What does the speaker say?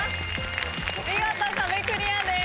見事壁クリアです。